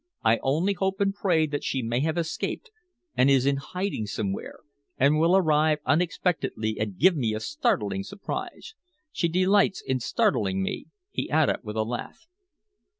I only hope and pray that she may have escaped and is in hiding somewhere, and will arrive unexpectedly and give me a startling surprise. She delights in startling me," he added with a laugh.